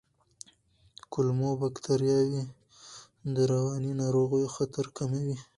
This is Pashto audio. کولمو بکتریاوې د رواني ناروغیو خطر کموي.